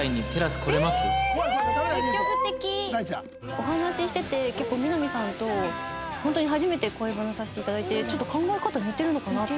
お話ししてて結構みな実さんと本当に初めて恋バナさせていただいてちょっと考え方似てるのかなって。